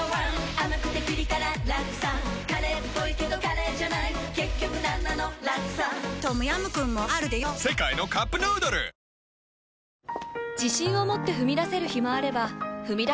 甘くてピリ辛ラクサカレーっぽいけどカレーじゃない結局なんなのラクサトムヤムクンもあるでヨ世界のカップヌードル続いてのプログラムに参りましょう。